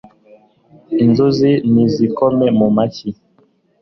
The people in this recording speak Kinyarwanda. Inzuzi nizikome mu mashyi